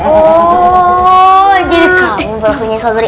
oh jadi kamu belakangnya sobri